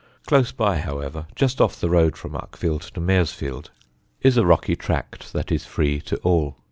Close by, however, just off the road from Uckfield to Maresfield, is a rocky tract that is free to all.